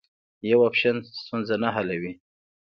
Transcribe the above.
یو اپشن ستونزه نه حلوي.